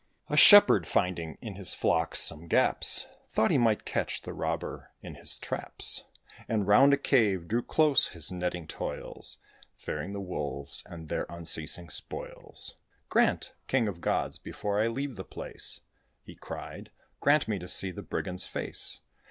A Shepherd, finding in his flocks some gaps, Thought he might catch the robber in his traps, And round a cave drew close his netted toils, Fearing the Wolves, and their unceasing spoils. "Grant, king of gods, before I leave the place," He cried, "grant me to see the brigand's face.